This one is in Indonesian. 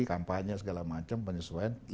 kampanye segala macam penyesuaian